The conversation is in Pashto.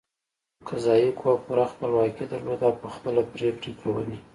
قضايي قوه پوره خپلواکي درلوده او په خپله پرېکړې کولې.